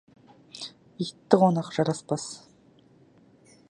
Итті конақ жараспас.